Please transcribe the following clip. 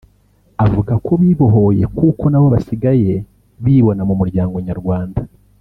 Avuga ko bibohoye kuko nabo basigaye bibona mu muryango nyarwanda